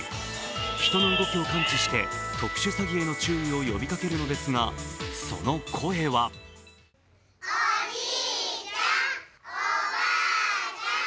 人の動きを感知して特殊詐欺への注意を呼びかけるのですが、その声はおじいちゃん、おばあちゃん